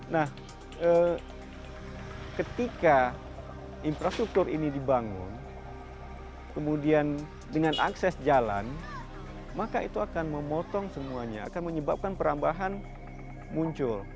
nah ketika infrastruktur ini dibangun kemudian dengan akses jalan maka itu akan memotong semuanya akan menyebabkan perambahan muncul